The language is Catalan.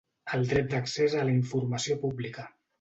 El dret d'accés a la informació pública.